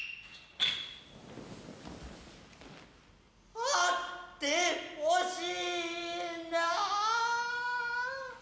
あってほしいな。